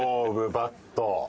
バット。